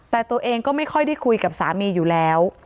แต่ตัวเองก็ไม่ค่อยได้คุยกับสามีอยู่แล้ว